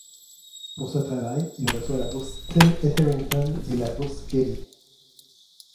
Pour ce travail, il reçoit la bourse Tim Hetherington et la bourse Getty.